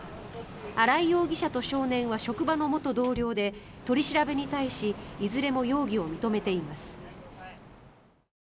荒井容疑者と少年は職場の元同僚で取り調べに対しいずれも容疑を認めています。